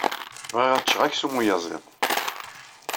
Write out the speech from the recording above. Bɣiɣ ad cceɣ aksum n uyaziḍ.